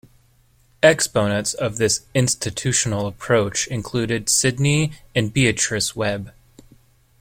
Exponents of this "institutional" approach included Sidney and Beatrice Webb.